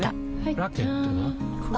ラケットは？